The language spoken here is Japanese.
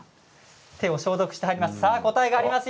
手を消毒して入ります。